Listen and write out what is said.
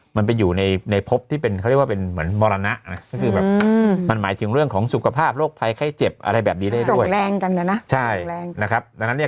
มันไปอยู่ในพบที่เขาเรียกว่าเป็นเหมือนมรณะก็คือแบบมันหมายถึงเรื่องของสุขภาพโรคภัยไข้เจ็บอะไรแบบดีได้ด้วย